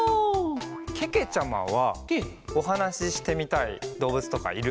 けけちゃまはおはなししてみたいどうぶつとかいる？